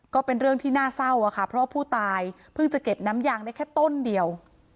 ก็เป็นเรื่องที่น่าเศร้าอะค่ะเพราะผู้ตายเพิ่งจะเก็บน้ำยางได้แค่ต้นเดียว